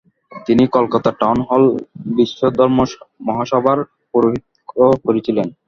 তিনি কলকাতার টাউন হলে বিশ্বধর্মমহাসভার পৌরোহিত্য করেছিলেন।